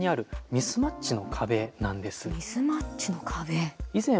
ミスマッチの壁。